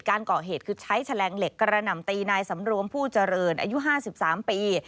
เกาะเหตุคือใช้แฉลงเหล็กกระหน่ำตีนายสำรวมผู้เจริญอายุ๕๓ปี